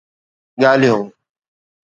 ڳالهيون